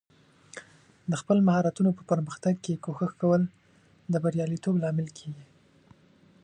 د خپل مهارتونو په پرمختګ کې کوښښ کول د بریالیتوب لامل کیږي.